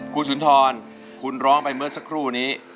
คุณสุนทรคุณร้องไปเมื่อสักครู่นี้